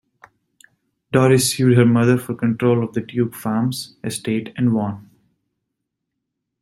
Doris sued her mother for control of the Duke Farms estate and won.